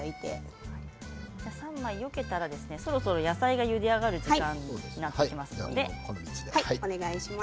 ３枚、焼けたらそろそろ野菜がゆで上がる時間になっています。